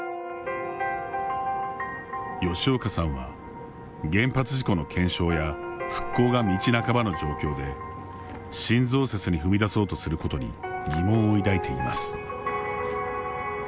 吉岡さんは、原発事故の検証や復興が道半ばの状況で新増設に踏み出そうとすることに疑問を抱いています。